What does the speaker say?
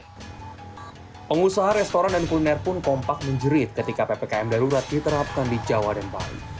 pengusaha restoran dan kuliner pun kompak menjerit ketika ppkm darurat diterapkan di jawa dan bali